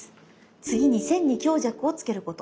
次に線に強弱をつけること。